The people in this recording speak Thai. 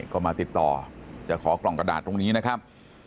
ก็มาติดต่อจะขอกล่องกระดาษตรงนี้นะครับ